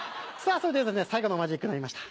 それでは最後のマジックになりました。